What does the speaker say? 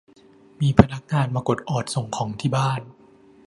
มีพนักงานมากดออดส่งของที่บ้าน